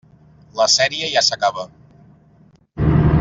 La sèrie ja s'acaba.